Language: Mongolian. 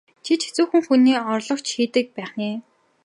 Чи ч хэцүүхэн хүний орлогч хийдэг байх нь ээ?